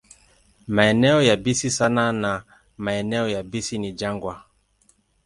Maeneo yabisi sana na maeneo yabisi ni jangwa.